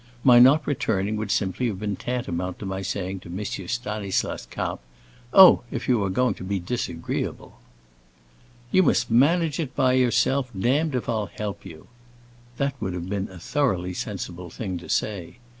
My not returning would simply have been tantamount to my saying to M. Stanislas Kapp, 'Oh, if you are going to be disagreeable'"— — "'You must manage it by yourself; damned if I'll help you!' That would have been a thoroughly sensible thing to say.